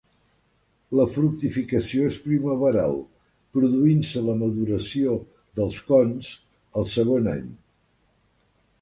La fructificació és primaveral, produint-se la maduració dels cons el segon any.